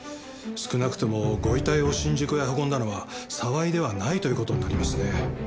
少なくともご遺体を新宿へ運んだのは澤井ではないという事になりますね。